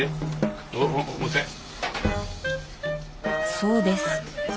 そうです。